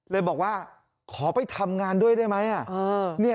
เลยบอกว่าขอไปทำงานด้วยได้ไหม